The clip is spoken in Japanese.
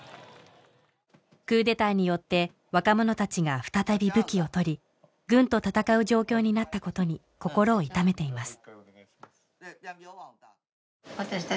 クーデターによって若者たちが再び武器を取り軍と闘う状況になったことに心を痛めています